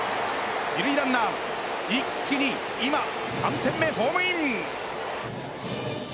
二塁ランナー、一気に今、３点目、ホームイン。